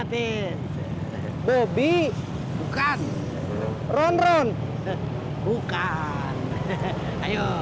teh bobby bukan ron ron bukan ayo